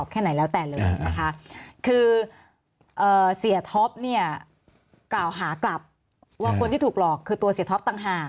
แค่ไหนแล้วแต่เลยนะคะคือเสียท็อปเนี่ยกล่าวหากลับว่าคนที่ถูกหลอกคือตัวเสียท็อปต่างหาก